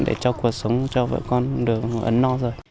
để cho cuộc sống cho vợ con được ấm no rồi